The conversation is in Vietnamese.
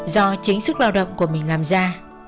do chính sức lao động của mình làm ra